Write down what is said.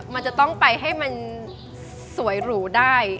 มันจะต้องไปให้มันสวยหรูได้